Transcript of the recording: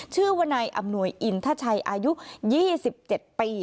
ชื่อว่านายอำนวยอินทชัยอายุ๒๗ปี